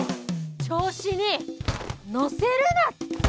調子に乗せるな！